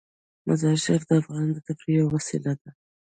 مزارشریف د افغانانو د تفریح یوه وسیله ده.